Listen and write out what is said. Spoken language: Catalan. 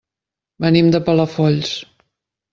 Venim de Palafolls.